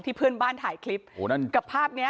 ที่เพื่อนบ้านถ่ายคลิปกับภาพนี้